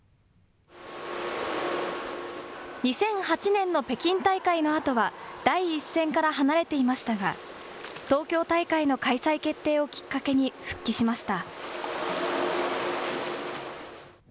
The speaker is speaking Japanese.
２００８年の北京大会のあとは、第一線から離れていましたが、東京大会の開催決定をきっかけに復帰しました。